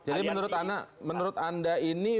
jadi menurut anda menurut anda ini